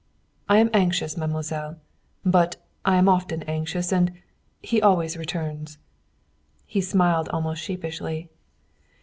"I am anxious, mademoiselle. But I am often anxious; and he always returns." He smiled almost sheepishly.